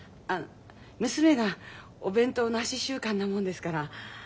娘がお弁当なし週間なもんですから。